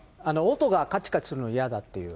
音がかちかちするの嫌だっていう。